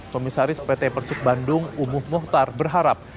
komisaris pt persib bandung umuh muhtar berharap